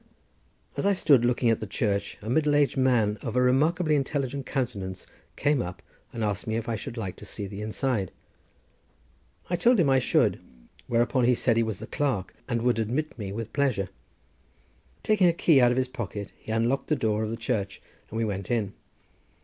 As I stood looking at the church a middle aged man of a remarkably intelligent countenance came up and asked me if I should like to see the inside. I told him I should, whereupon he said that he was the clerk and would admit me with pleasure. Taking a key out of his pocket he unlocked the door of the church and we went in.